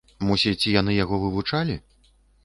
Мусіць, яны яго вывучалі?